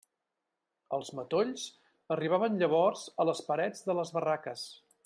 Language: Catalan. Els matolls arribaven llavors a les parets de les barraques.